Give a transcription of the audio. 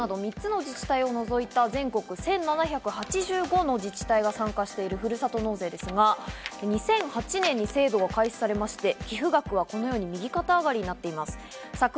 現在、東京都など３つの自治体を除いた全国１７８５の自治体が参加している、ふるさと納税ですが、２００８年に制度が開始されて、寄付額はこのように右肩上がりになっています。